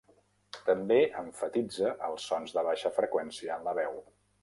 També emfatitza els sons de baixa freqüència en la veu.